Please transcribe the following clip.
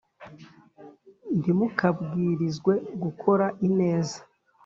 Ntimukabwrizwe gukora ineza